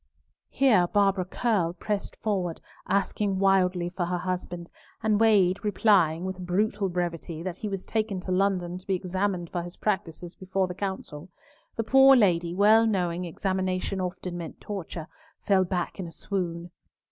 Here Barbara Curll pressed forward, asking wildly for her husband; and Wade replying, with brutal brevity, that he was taken to London to be examined for his practices before the Council, the poor lady, well knowing that examination often meant torture, fell back in a swoon.